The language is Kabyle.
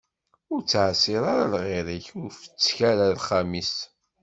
Ur ttɛeṣṣir ara lɣir-ik, ur fettek ara axxam-is.